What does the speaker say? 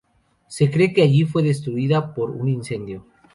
Se cree que allí fue destruida por un incendio.